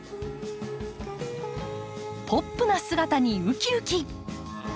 ポップな姿にウキウキ！